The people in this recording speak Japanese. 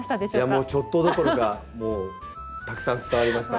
ちょっとどころかもうたくさん伝わりました。